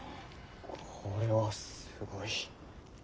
これはすごい。